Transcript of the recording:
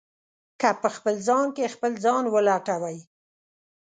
که په خپل ځان کې خپل ځان ولټوئ.